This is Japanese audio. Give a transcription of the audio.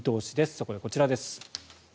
そこでこちらです。